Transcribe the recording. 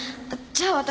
じゃあ私。